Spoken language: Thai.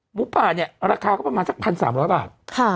หมูป่าเนี่ยราคาก็ประมาณสัก๑๓๐๐บาท